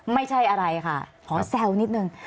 ไม่ใช่อะไรค่ะขอแซวนิดนึง